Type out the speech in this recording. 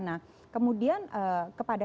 nah kemudian kepada